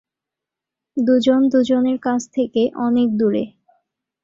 দু’জন দু’জনের কাছ থেকে অনেক দূরে।